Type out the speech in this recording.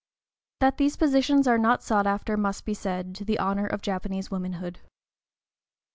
That these positions are not sought after must be said, to the honor of Japanese womanhood.